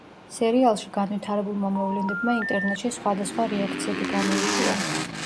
სერიალში განვითარებულმა მოვლენებმა ინტერნეტში სხვადასხვა რეაქციები გამოიწვია.